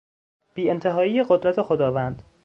بیانتهایی قدرت خداوند